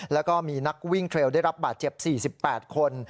แล้วก็มีนักวิ่งเทรลได้รับบาดเจ็บ๔๘คน